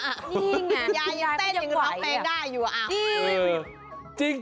นี่ไงยายยังเต้นยังรับแมงได้อยู่อ้าว